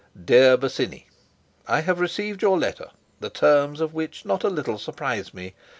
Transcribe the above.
"DEAR BOSINNEY, "I have, received your letter, the terms of which not a little surprise me.